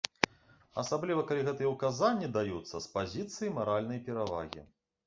Асабліва калі гэтыя ўказанні даюцца з пазіцыі маральнай перавагі.